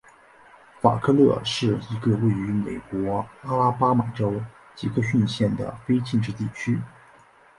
法克勒是一个位于美国阿拉巴马州杰克逊县的非建制地区。